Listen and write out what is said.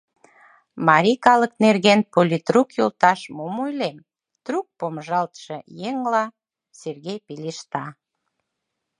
— Марий калык нерген, политрук йолташ, мом ойлем? — трук помыжалтше еҥла Сергей пелешта.